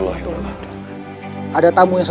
baik baik ini dengan rupanya